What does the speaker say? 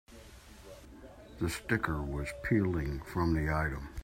The sticker was peeling from the item.